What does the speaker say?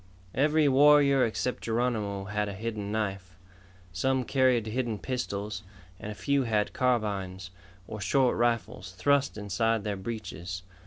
Every warrior except Geronimo had a hidden knife. Some carried hidden pistols, and a few had carbines, or short rifles, thrust inside their breeches.